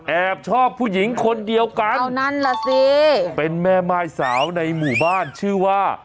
แอบชอบผู้หญิงคนเดียวกันเท่านั้นแหละสิเป็นแม่ม่ายสาวในหมู่บ้านชื่อว่า